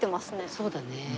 そうだね。